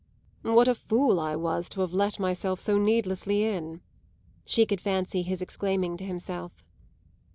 "What a fool I was to have let myself so needlessly in !" she could fancy his exclaiming to himself.